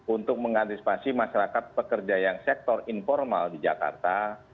untuk mengantisipasi masyarakat pekerja yang sektor informal di jakarta